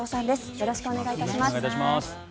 よろしくお願いします。